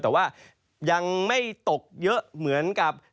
แต่ว่ายังไม่ตกเยอะเหมือนกับ